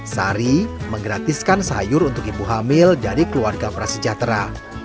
sari menggratiskan sayur untuk ibu hamil dari keluarga prasejahtera